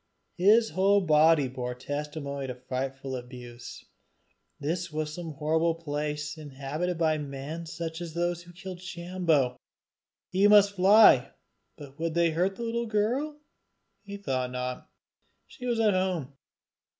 His whole body bore testimony to frightful abuse. This was some horrible place inhabited by men such as those that killed Sambo! He must fly. But would they hurt the little girl? He thought not she was at home.